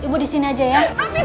ibu di sini aja ya